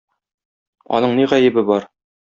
Аның ни гаебе бар?